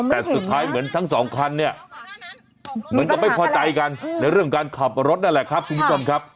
แต่สุดท้ายเหมือนทั้งสองคันเนี่ยเหมือนกับไม่พอใจกันในเรื่องการขับรถนั่นแหละครับคุณผู้ชมครับ